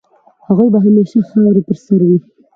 د هغوی به همېشه خاوري په سر وي